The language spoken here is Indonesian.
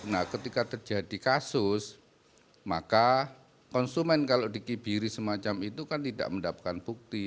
nah ketika terjadi kasus maka konsumen kalau dikibiri semacam itu kan tidak mendapatkan bukti